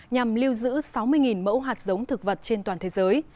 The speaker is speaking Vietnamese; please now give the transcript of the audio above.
nhằm lưu giữ sáu mươi mẫu hạt giống thực vật trên toàn thế giới